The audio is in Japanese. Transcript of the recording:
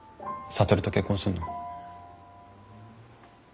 智と結婚するの？